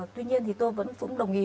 tuy nhiên tôi vẫn đồng ý